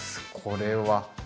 これは。